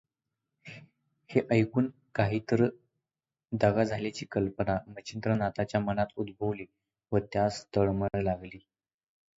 हें ऐकून काहींतरी दगा झाल्याची कल्पना मच्छिंद्रनाथाच्या मनांत उद्भवली व त्यास तळमळ लागली.